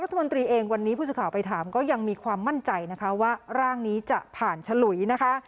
รัฐมนตรีเองวันนี้ผู้สื่อข่าวไปถามก็ยังมีความมั่นใจนะคะว่าร่างนี้จะผ่านฉลุยนะคะ